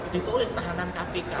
ditulis tahanan kpk